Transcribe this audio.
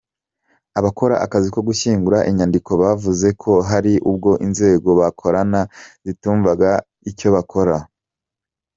Abakora akazi ko gushyingura inyandiko bavuze ko hari ubwo inzego bakorana zitumvaga icyo bakora.